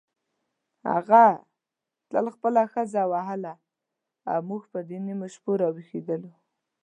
هغه تل خپله ښځه وهله او موږ به په نیمو شپو راویښېدلو.